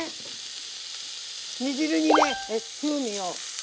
煮汁に風味を。